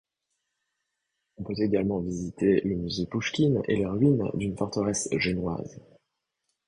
On peut également visiter le musée Pouchkine et les ruines d'une forteresse génoise.